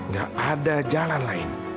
gak ada jalan lain